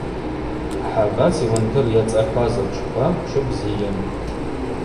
Хӏабац йуандыр йацӏахӏваз ачвква чвы бзийын.